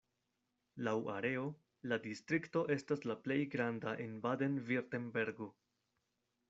Laŭ areo la distrikto estas la plej granda en Baden-Virtembergo.